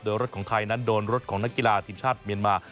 โดยรถของไทยนั้นโดนรถของนักกีฬาทีมชาติเมียนมา